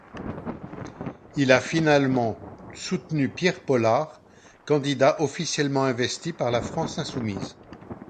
Il a finalement soutenu Pierre Polard, candidat officiellement investi par la France insoumise.